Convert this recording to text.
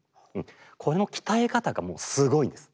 この鍛え方がもうすごいんです。